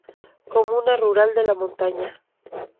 Comuna rural de montaña.